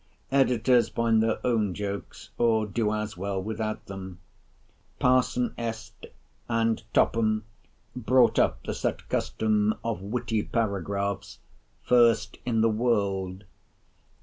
Editors find their own jokes, or do as well without them. Parson Este, and Topham, brought up the set custom of "witty paragraphs," first in the "World."